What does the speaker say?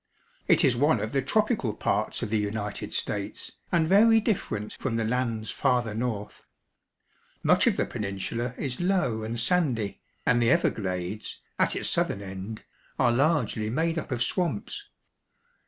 It is one of the tropical parts of the United States, and very diflferent from the lands farther north. Much of the peninsula is low and sandy, and the Everglades, at its southern end, are largely made up of swamps.